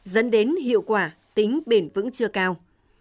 dẫn đến hiệu quả tính bền vững chưa cao